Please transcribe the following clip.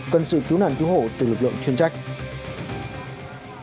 cần sự cứu nạn cứu hộ từ lực lượng chuyên trách